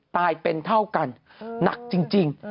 ตายเป็นเท่ากันหนักจริง